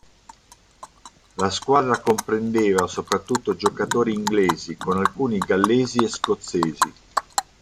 La squadra comprendeva soprattutto giocatori inglesi, con alcuni gallesi e scozzesi.